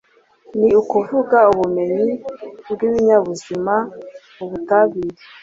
Ni ukuvuga ubumenyi bw‟ibinyabuzima, ubutabire,